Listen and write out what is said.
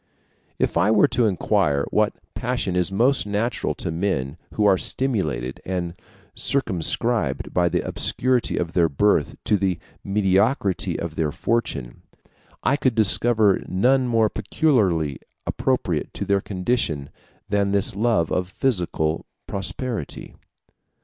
If I were to inquire what passion is most natural to men who are stimulated and circumscribed by the obscurity of their birth or the mediocrity of their fortune, I could discover none more peculiarly appropriate to their condition than this love of physical prosperity.